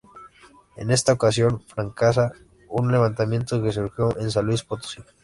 En esta ocasión fracasa un levantamiento que surgió en San Luis Potosí.